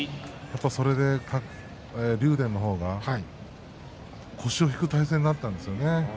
やっぱり、それで竜電の方が腰を引く体勢になったんですね。